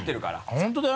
本当だよ。